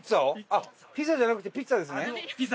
あっピザじゃなくてピッツアですね。